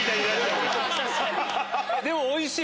でもおいしい！